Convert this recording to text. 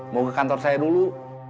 mau ke kantor saya dulu